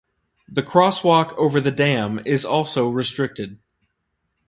The crosswalk over the dam is also restricted.